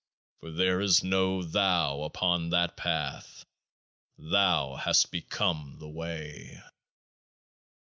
For there is no Thou upon That Path : thou hast become The Way.